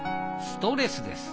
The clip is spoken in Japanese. ストレスです